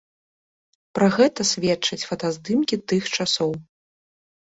Пра гэта сведчаць фотаздымкі тых часоў.